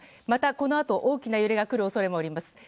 また、このあと大きな揺れがくる恐れもあります。